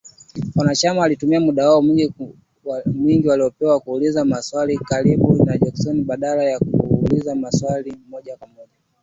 Wanachama walitumia muda wao mwingi waliopewa kuzungumza kwa ukaribu na Jackson, badala ya kuuliza maswali ya moja kwa moja